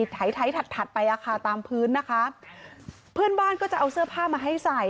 ไถถัดถัดไปอ่ะค่ะตามพื้นนะคะเพื่อนบ้านก็จะเอาเสื้อผ้ามาให้ใส่